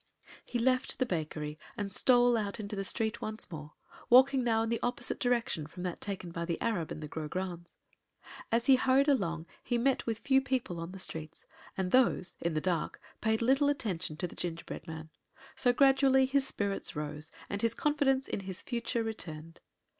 He left the bakery and stole out into the street once more, walking now in the opposite direction from that taken by the Arab and the Grograndes. As he hurried along he met with few people on the streets; and these, in the dark, paid little attention to the gingerbread man; so gradually his spirits rose and his confidence in his future returned.